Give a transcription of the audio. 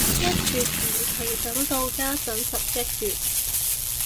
一月延期等到家陣十一月